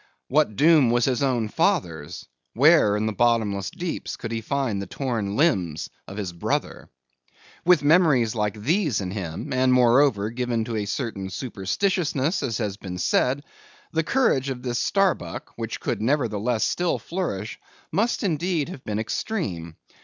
What doom was his own father's? Where, in the bottomless deeps, could he find the torn limbs of his brother? With memories like these in him, and, moreover, given to a certain superstitiousness, as has been said; the courage of this Starbuck which could, nevertheless, still flourish, must indeed have been extreme.